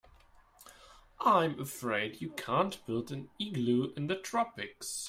I'm afraid you can't build an igloo in the tropics.